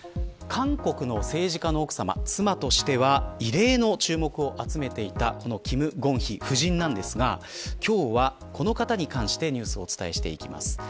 韓国の政治家の奥さま妻としては異例の注目を集めていた金建希夫人ですが今日はこの方に関してニュースをお伝えしていきます。